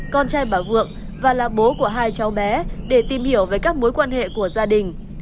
con trai bà vượng và là bố của hai cháu bé để tìm hiểu về các mối quan hệ của gia đình